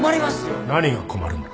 何が困るんだ。